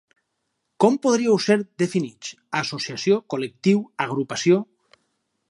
Com podríeu ser definits: associació, col·lectiu, agrupació…?